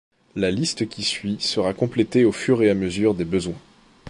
La liste qui suit sera complétée au fur et à mesure des besoins.